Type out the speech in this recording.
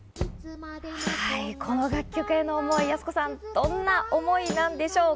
この楽曲への思い、やす子さん、どんな思いなんでしょうか？